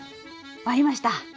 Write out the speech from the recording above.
終わりました！